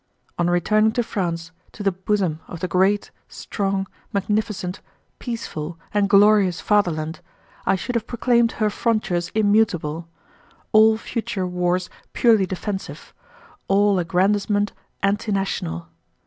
On returning to France, to the bosom of the great, strong, magnificent, peaceful, and glorious fatherland, I should have proclaimed her frontiers immutable; all future wars purely defensive, all aggrandizement antinational.